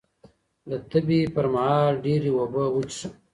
د تبې پر مهال ډېرې اوبه وڅښه